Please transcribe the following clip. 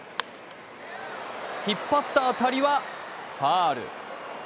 引っ張った当たりはファウル。